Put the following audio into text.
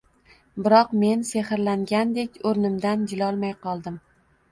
Biroq men sehrlangandek o‘rnimdan jilolmay qoldim.